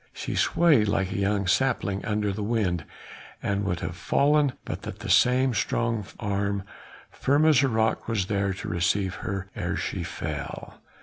She swayed like a young sapling under the wind, and would have fallen but that the same strong arm firm as a rock was there to receive her ere she fell.